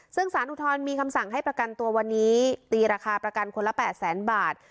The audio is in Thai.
ซึ่งสารอุทธรณมีคำสั่งให้ประกันตัววันนี้ตีราคาประกันคนละ๘แสนบาท